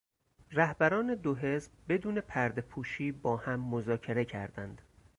رهبران دو حزب بدون پردهپوشی با هم مذاکره کردند.